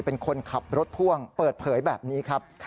เป็นคนขับรถพ่วงเปิดเผยแบบนี้ครับ